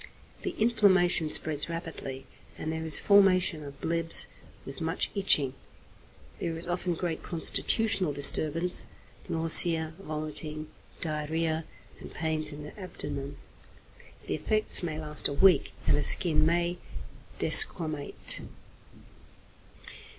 The inflammation spreads rapidly, and there is formation of blebs with much itching. There is often great constitutional disturbance, nausea, vomiting, diarrhoea, and pains in the abdomen. The effects may last a week, and the skin may desquamate.